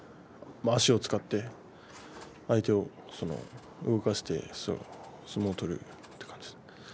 足を使って相手を動かして相撲を取るという感じで。